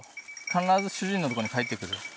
必ず主人のとこに帰ってくる。